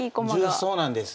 そうなんです。